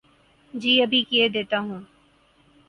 جی ابھی کیئے دیتا ہو